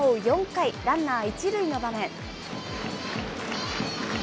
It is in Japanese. ４回、ランナー１塁の場面。